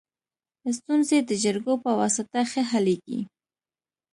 ستونزي د جرګو په واسطه ښه حلیږي.